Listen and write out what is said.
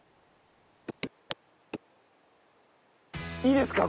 いいですか？